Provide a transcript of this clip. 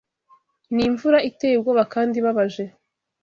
Nimvura iteye ubwoba kandi ibabaje